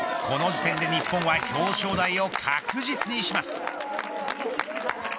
この時点で日本は表彰台を確実にします。